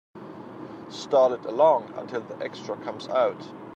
Stall it along until the extra comes out.